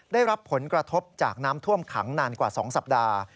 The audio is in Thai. ได้รับผลกระทบจากน้ำท่วมขังนานกว่า๒สัปดาห์